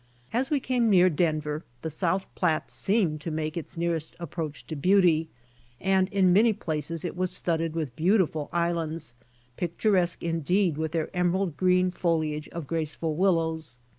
As we came near Denver, the South Platte seemed to make its nearest approach to beauty, and in many places it was studded with beautiful islands, picturesque indeed with their emerald green foliage of graceful willows.